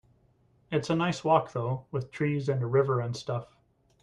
It's a nice walk though, with trees and a river and stuff.